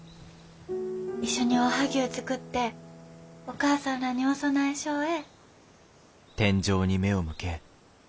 一緒におはぎゅう作ってお母さんらにお供えしょうえ？